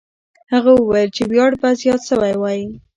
هغه وویل چې ویاړ به زیات سوی وای.